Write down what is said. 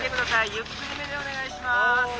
ゆっくりめでお願いします。